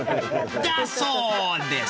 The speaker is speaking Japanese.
そうです